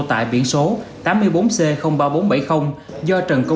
tại biển số tám mươi bốn c ba nghìn bốn trăm bảy mươi